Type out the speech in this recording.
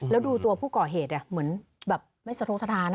แล้วดูตัวผู้ก่อเหตุเหมือนแบบไม่สะทกสถาน